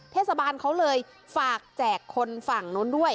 เทศบาลเขาเลยฝากแจกคนฝั่งนู้นด้วย